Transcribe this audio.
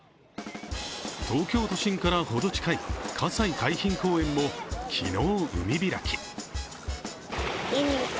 東京都心からほど近い葛西海浜公園も昨日、海開き。